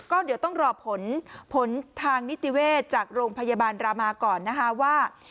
ก็เดี๋ยวต้องรอผลผลทางนิติเวศจากโรงพยาบาลรามาก่อนนะคะว่า